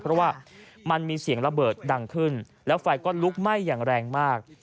เพราะว่ามันมีเสียงระเบิดดังขึ้นแล้วไฟก็ลุกไหม้อย่างแรงมาก